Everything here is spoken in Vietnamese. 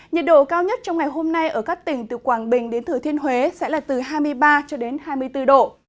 nhiệt độ cao nhất trong ngày hôm nay ở các tỉnh từ quảng bình đến thừa thiên huế sẽ là từ hai mươi ba cho đến hai mươi bốn độ